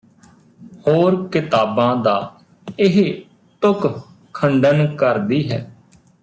ਹੋਰ ਕਿਤਾਬਾਂ ਦਾ ਇਹ ਤੁਕ ਖੰਡਨ ਕਰਦੀ ਹੈ